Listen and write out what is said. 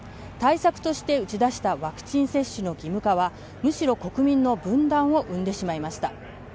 対策として打ち出したワクチン接種の義務化はむしろ国民の分断を生んでしまいました。